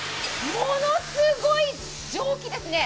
ものすごい蒸気ですね。